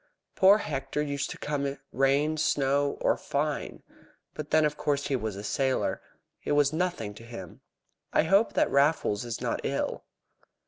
"Poor Hector used to come, rain, snow, or fine. But, then, of course, he was a sailor. It was nothing to him. I hope that Raffles is not ill."